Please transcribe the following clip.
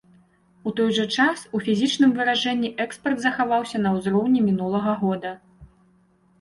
У той жа час у фізічным выражэнні экспарт захаваўся на ўзроўні мінулага года.